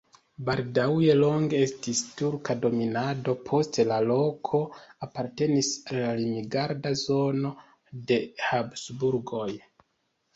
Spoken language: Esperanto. Baldaŭe longe estis turka dominado, poste la loko apartenis al limgarda zono de Habsburgoj.